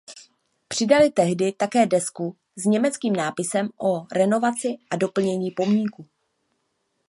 Přidali tehdy také desku s německým nápisem o renovaci a doplnění pomníku.